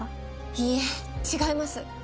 いいえ違います。